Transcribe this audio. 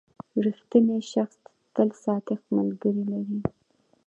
• رښتینی شخص تل صادق ملګري لري.